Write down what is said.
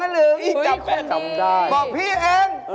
เอาตั๋วจำนำ